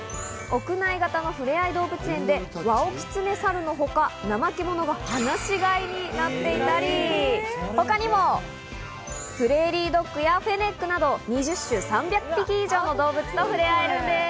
屋内型の触れ合い動物園でワオキツネザルのほか、ナマケモノが放し飼いになっていたり、他にも、プレーリードッグやフェレットなど、２０種３００匹以上の動物が触れ合えるんです。